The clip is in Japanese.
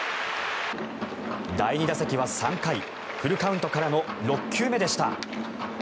第２打席は３回フルカウントからの６球目でした。